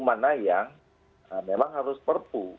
mana yang memang harus perpu